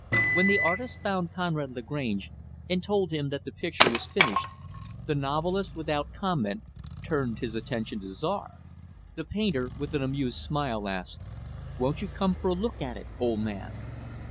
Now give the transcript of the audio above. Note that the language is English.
When the artist found Conrad Lagrange and told him that the picture was finished, the novelist, without comment, turned his attention to Czar. The painter, with an amused smile, asked, "Won't you come for a look at it, old man?"